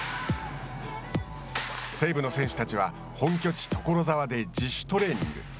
西武の選手たちは本拠地・所沢で自主トレーニング。